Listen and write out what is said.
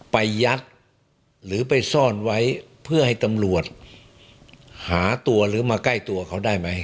ยัดหรือไปซ่อนไว้เพื่อให้ตำรวจหาตัวหรือมาใกล้ตัวเขาได้ไหม